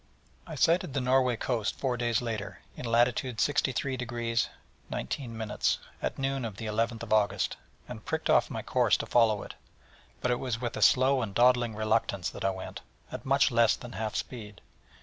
I sighted the Norway coast four days later, in latitude 63° 19', at noon of the 11th August, and pricked off my course to follow it; but it was with a slow and dawdling reluctance that I went, at much less than half speed.